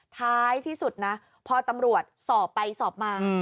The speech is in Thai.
ท้ายที่สุดนะพอตำรวจสอบไปสอบมา